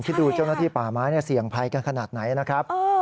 คิดดูเจ้าหน้าที่ป่าไม้เสี่ยงภัยกันขนาดไหนนะครับ